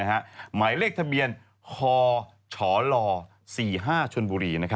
หมายเลขทะเบียนฮชล๔๕ชนบุรี